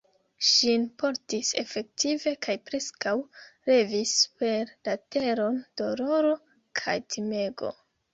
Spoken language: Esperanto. Ŝin portis efektive kaj preskaŭ levis super la teron doloro kaj timego.